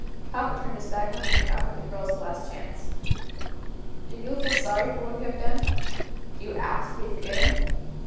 Papa turned his back on me and offered the girls a last chance: "Do you feel sorry for what you have done? Do you ask to be forgiven?"